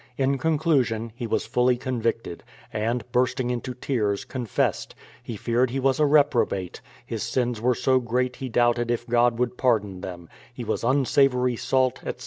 Jn conclusion, he was fully convicted, and, bursting into 154 BRADFORD'S HISTORY OF tears, confessed: he feared he was a reprobate; his sins were so great he doubted if God would pardon them ; he was unsavoury salt, etc.